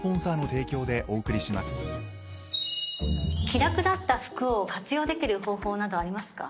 着なくなった服を活用できる方法などありますか？